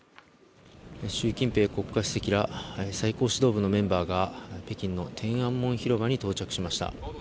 習近平国家主席ら最高指導部のメンバーが北京の天安門広場に到着しました。